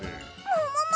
ももも！